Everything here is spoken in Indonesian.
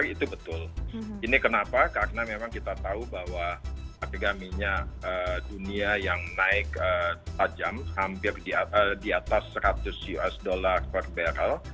itu betul ini kenapa karena memang kita tahu bahwa harga minyak dunia yang naik tajam hampir di atas seratus usd per barrel